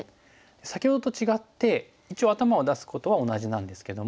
先ほどと違って一応頭を出すことは同じなんですけども。